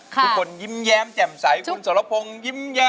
ทุกคนยิ้มแย้มแจ้มใสทุกคนสารพงษ์